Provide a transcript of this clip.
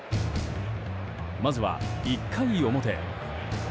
まずは、１回表。